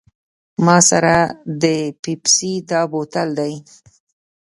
ما سره د پیپسي دا بوتل دی.